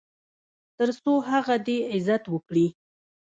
تر څو هغه دې عزت وکړي .